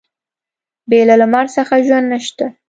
بې له لمر څخه ژوند نشته.